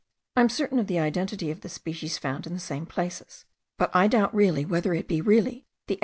I am certain of the identity of the species found in the same places; but I doubt really whether it be really the F.